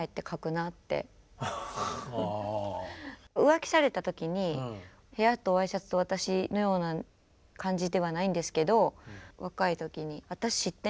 浮気された時に「部屋とＹシャツと私」のような感じではないんですけどハハハ